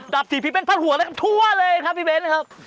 ดาบสี่พี่เบ้นพัดหัวเลยครับทั่วเลยครับพี่เบ้นนะครับ